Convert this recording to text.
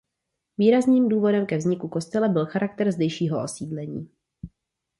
Výrazným důvodem ke vzniku kostela byl charakter zdejšího osídlení.